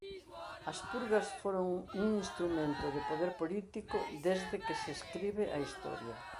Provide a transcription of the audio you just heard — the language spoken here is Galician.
As purgas foron un instrumento de poder político desde que se escribe a Historia.